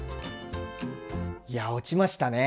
いや落ちましたね。